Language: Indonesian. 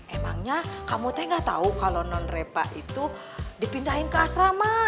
emangnya kamu teh gak tau kalo non repa itu dipindahin ke asrama